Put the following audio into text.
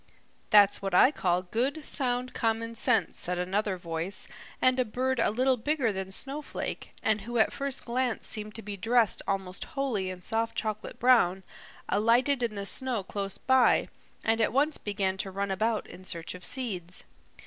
"That's what I call good, sound common sense," said another voice, and a bird a little bigger than Snowflake, and who at first glance seemed to be dressed almost wholly in soft chocolate brown, alighted in the snow close by and at once began to run about in search of seeds.